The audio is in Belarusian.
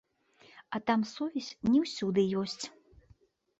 А там сувязь не ўсюды ёсць.